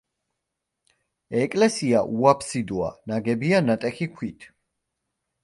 ეკლესია უაფსიდოა, ნაგებია ნატეხი ქვით.